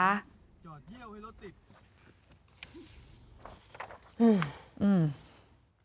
อื้ออื้อ